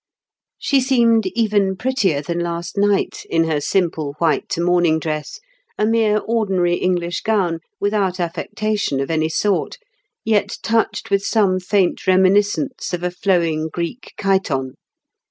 She seemed even prettier than last night, in her simple white morning dress, a mere ordinary English gown, without affectation of any sort, yet touched with some faint reminiscence of a flowing Greek chiton.